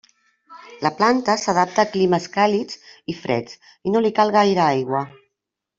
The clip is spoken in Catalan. La planta s'adapta a climes càlids i freds i no li cal gaire aigua.